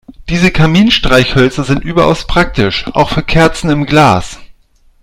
Diese Kaminstreichhölzer sind überaus praktisch, auch für Kerzen im Glas.